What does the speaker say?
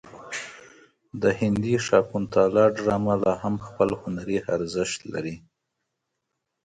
د هندي شاکونتالا ډرامه لا هم خپل هنري ارزښت لري.